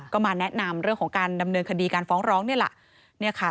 ก็มาแนะนำเรื่องของการดำเนินคดีการฟ้องร้องนี่แหละ